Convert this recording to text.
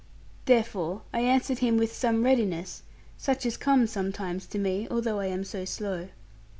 Therefore I answered him with some readiness, such as comes sometimes to me, although I am so slow.